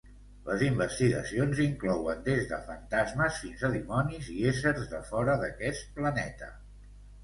Les investigacions inclouen des de fantasmes fins a dimonis i éssers de fora d'aquest planeta.